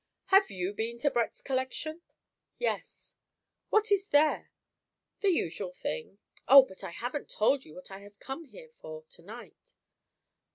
"Have you been to Brett's Collection?" "Yes." "What is there?" "The usual thing. O, but I haven't told you what I have come here for to night."